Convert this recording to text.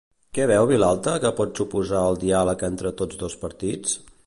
Què veu Vilalta que pot suposar el diàleg entre tots dos partits?